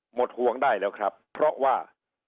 หมดห่วงได้แล้วครับเพราะว่า